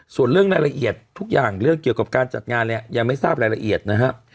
ส่วนเรื่องรายละเอียดทุกอย่างเรื่องเกี่ยวกับการจัดงานเนี่ยยังไม่ทราบรายละเอียดนะครับ